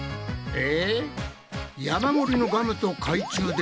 え？